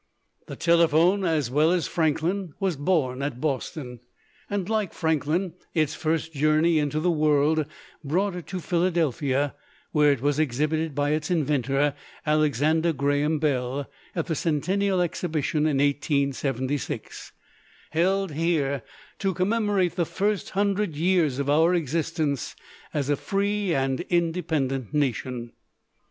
The telephone, as well as Franklin, was born at Boston, and, like Franklin, its first journey into the world brought it to Philadelphia, where it was exhibited by its inventor, Alexander Graham Bell, at the Centennial Exhibition in 1876, held here to commemorate the first hundred years of our existence as a free and independent nation.